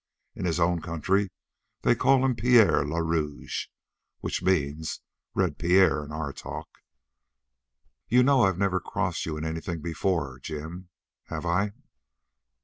In his own country they call him Pierre le Rouge, which means Red Pierre, in our talk. "You know I've never crossed you in anything before, Jim. Have I?"